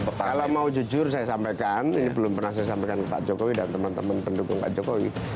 kalau mau jujur saya sampaikan ini belum pernah saya sampaikan ke pak jokowi dan teman teman pendukung pak jokowi